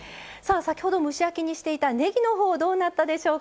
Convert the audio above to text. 先ほど、蒸し焼きにしていたねぎのほうどうなったでしょうか？